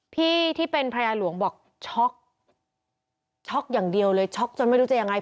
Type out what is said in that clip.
ที่เป็นภรรยาหลวงบอกช็อกช็อกอย่างเดียวเลยช็อกจนไม่รู้จะยังไง